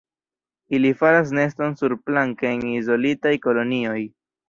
Ili faras neston surplanke en izolitaj kolonioj.